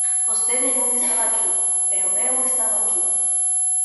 Vostede non estaba aquí, pero eu estaba aquí.